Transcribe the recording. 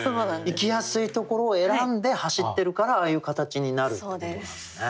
いきやすいところを選んで走ってるからああいう形になるということなんですね。